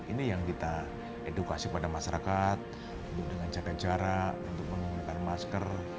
ini yang kita edukasi pada masyarakat untuk dengan jaga jarak untuk menggunakan masker